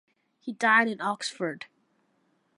He died in Oxford.